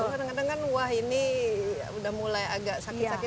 kadang kadang kan wah ini udah mulai agak sakit sakit